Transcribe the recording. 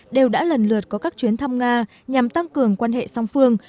đều đã lần lượt có các chuyến thăm nga nhằm tăng cường quan hệ song phương